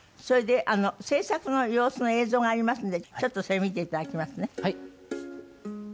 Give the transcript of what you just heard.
それで制作の様子の映像がありますのでちょっとそれ見ていただきますね。